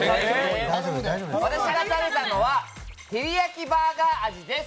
私が食べたのはテリヤキバーガー味です